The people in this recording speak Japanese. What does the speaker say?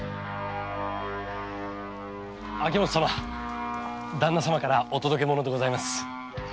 旦那様からお届け物でございます。